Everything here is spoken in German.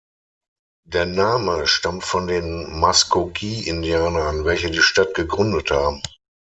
Der Name stammt von den Muskogee-Indianern, welche die Stadt gegründet haben.